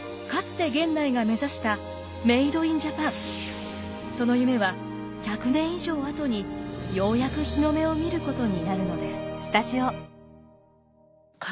かつてその夢は１００年以上あとにようやく日の目を見ることになるのです。